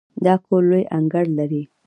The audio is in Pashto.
دا کور لوی انګړ لري.